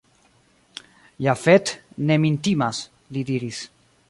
Jafet ne min timas, li diris.